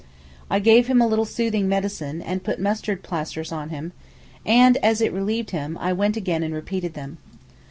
I gave him a little soothing medicine, and put mustard plasters on him, and as it relieved him, I went again and repeated them.